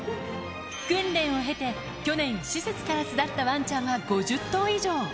訓練を経て、去年、施設から巣立ったわんちゃんは５０頭以上。